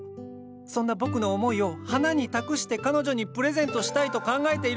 そんな僕の思いを花に託して彼女にプレゼントしたいと考えているんです！